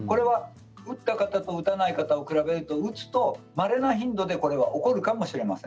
打った方と打たない方と比べると打つとまれな頻度でこれが起こるかもしれません。